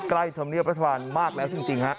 ใกล้ธรรมเนียบรัฐบาลมากแล้วจริงครับ